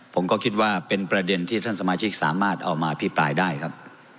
ผมก็คิดว่าเป็นประเด็นที่ท่านสมาชิกสามารถเอามาอภิปรายได้ครับ